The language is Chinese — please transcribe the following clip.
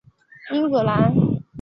饭山站铁路车站。